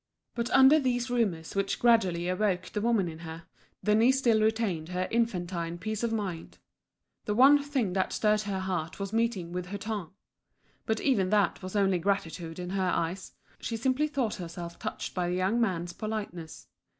But under these rumours which gradually awoke the woman in her, Denise still retained her infantine peace of mind. The one thing that stirred her heart was meeting with Hutin. But even that was only gratitude in her eyes; she simply thought herself touched by the young man's politeness.